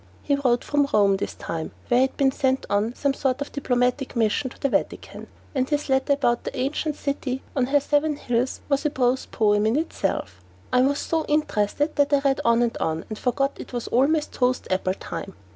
He wrote from Rome this time, where he had been sent on some sort of diplomatic mission to the Vatican, and his letter about the Ancient City on her seven hills was a prose poem in itself. I was so interested that I read on and on and forgot it was almost toast apple time.